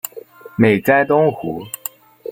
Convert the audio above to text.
美哉东湖！